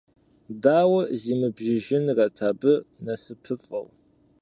Дауэ зимыбжыжынрэт абы насыпыфӀэу!